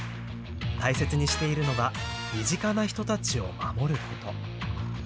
大切にしているのは身近な人たちを守ること。